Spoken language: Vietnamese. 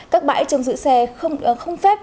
các bãi trong giữ xe không phép